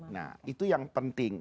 nah itu yang penting